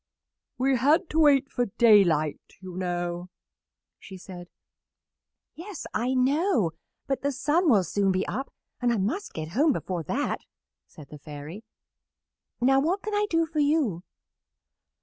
"We had to wait for daylight, you know," she said. "Yes, I know; but the sun will soon be up, and I must get home before that," said the Fairy. "Now what can I do for you?"